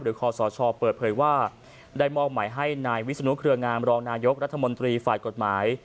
คอสชเปิดเผยว่าได้มอบหมายให้นายวิศนุเครืองามรองนายกรัฐมนตรีฝ่ายกฎหมาย